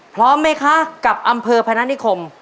พร้อมไหมคะกับอำเภอพนานิคม